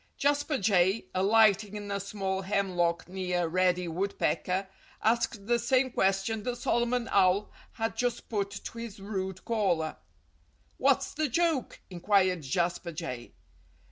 Jasper Jay, alighting in a small hemlock near Reddy Woodpecker, asked the same question that Solomon Owl had just put to his rude caller. "What's the joke?" inquired Jasper Jay.